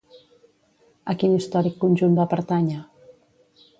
A quin històric conjunt va pertànyer?